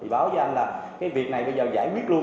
thì báo với anh là cái việc này bây giờ giải quyết luôn